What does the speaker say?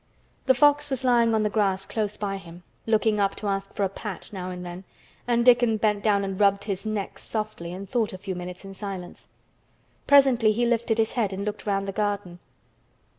The fox was lying on the grass close by him, looking up to ask for a pat now and then, and Dickon bent down and rubbed his neck softly and thought a few minutes in silence. Presently he lifted his head and looked round the garden.